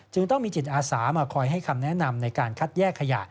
ต้องมีจิตอาสามาคอยให้คำแนะนำในการคัดแยกขยะ